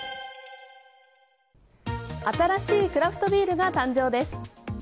新しいクラフトビールが誕生です。